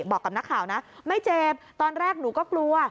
บอกกับนักข่าวนะไม่เจ็บตอนแรกหนูก็กลัว